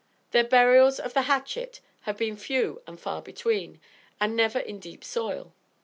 Their burials of the hatchet have been few and far between, and never in deep soil.